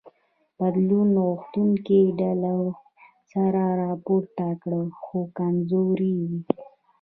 بدلون غوښتونکو ډلو سر راپورته کړ خو کمزوري وې.